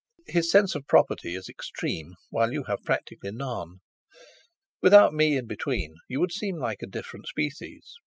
His sense of property is extreme, while you have practically none. Without me in between, you would seem like a different species.